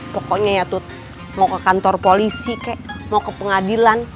pokoknya ya tuh mau ke kantor polisi kek mau ke pengadilan